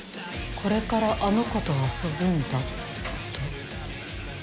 「これからあの子と遊ぶんだ」と。